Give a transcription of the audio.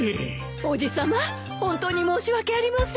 おじさま本当に申し訳ありません。